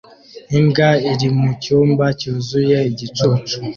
Imbwa iri mu cyumba cyuzuye igicucu